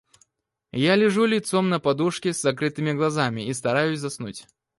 Я лежу лицом на подушке с закрытыми глазами и стараюсь заснуть.